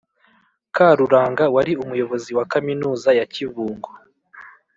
Karuranga wari Umuyobozi wa Kaminuza ya Kibungo,